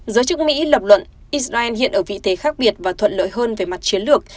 giới chức mỹ lập luận israel hiện ở vị thế khác biệt và thuận lợi hơn về mặt chiến lược